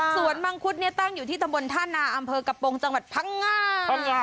สวนมังคุดเนี่ยตั้งอยู่ที่ทะมนต์ท่านาอำเภอกับโปรงจังหวัดพังง่า